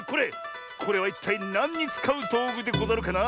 これはいったいなんにつかうどうぐでござるかな？